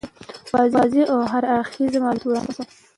واضح او هر اړخیز معلومات وړاندي سول.